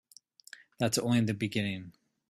That's only the beginning.